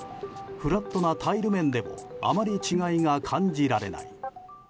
フラットなタイル面でもあまり違いが感じられない。